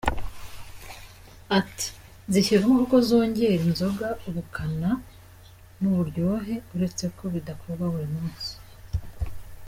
Ati “zishyirwamo kuko zongerera inzoga ubukana n’uburyohe uretse ko bidakorwa buri munsi.